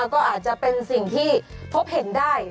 ก็อาจจะเป็นสิ่งที่พบเห็นได้